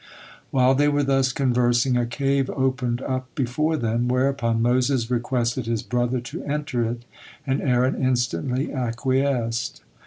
While they were thus conversing, a cave opened up before them, whereupon Moses requested his brother to enter it, and Aaron instantly acquiesced.